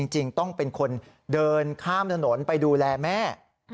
จริงต้องเป็นคนเดินข้ามถนนไปดูแลแม่